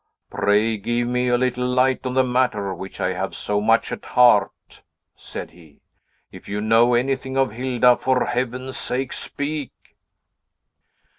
"Pray give me a little light on the matter which I have so much at heart," said he; "if you know anything of Hilda, for Heaven's sake, speak!"